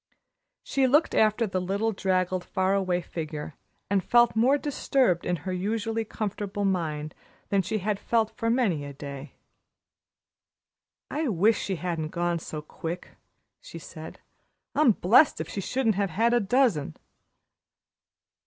She looked after the little, draggled, far away figure, and felt more disturbed in her usually comfortable mind than she had felt for many a day. "I wish she hadn't gone so quick," she said. "I'm blest if she shouldn't have had a dozen."